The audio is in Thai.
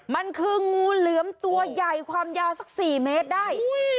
มันคืองูเหลือมตัวใหญ่ความยาวสัก๔เมตรได้